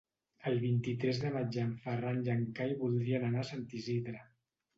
El vint-i-tres de maig en Ferran i en Cai voldrien anar a Sant Isidre.